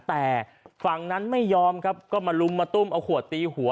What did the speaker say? แต่ฝั่งนั้นไม่ยอมครับก็มาลุมมาตุ้มเอาขวดตีหัว